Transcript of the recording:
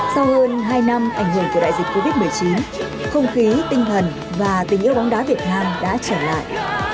sau hơn hai năm ảnh hưởng của đại dịch covid một mươi chín không khí tinh thần và tình yêu bóng đá việt nam đã trở lại